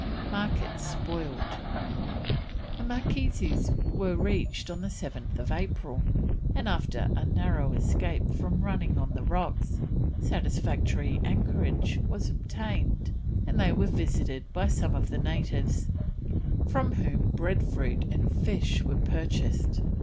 MARKET SPOILT. The Marquesas were reached on 7th April, and after a narrow escape from running on the rocks, satisfactory anchorage was obtained, and they were visited by some of the natives, from whom breadfruit and fish were purchased.